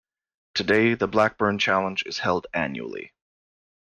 Today, the Blackburn Challenge is held annually.